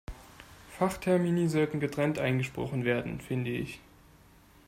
Fachtermini sollten getrennt eingesprochen werden, finde ich.